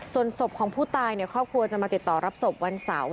ส่วนศพของผู้ตายครอบครัวจะมาติดต่อรับศพวันเสาร์